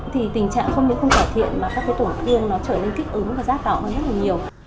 thì tình trạng không những không cải thiện mà các cái tổn thương nó trở nên kích ứng và rác đỏ hơn rất là nhiều